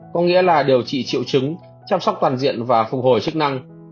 có nghĩa là điều trị triệu chứng chăm sóc toàn diện và phục hồi chức năng